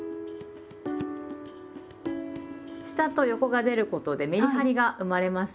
下と横が出ることでメリハリが生まれますよね。